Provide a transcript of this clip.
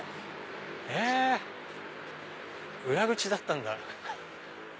へぇ裏口だったんだ。